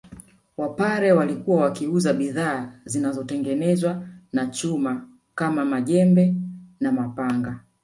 Wapare walikuwa wakiuza bidhaa zinazotengenezwa na chuma kama majembe na mapanga